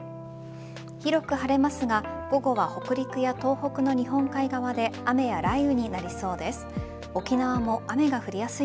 広く晴れますが午後は北陸や東北の日本海側で雨や雷雨になりそうです。